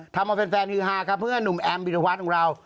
ทำเอาแฟนฮือฮาครับเพื่อนหนุ่มแอมวิรวัตรของเรา